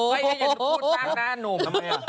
เฮ้ยอย่าพูดป้างนะนุ่ม